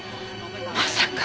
まさか！